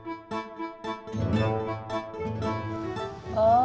jadi mbak io butuh kerjaan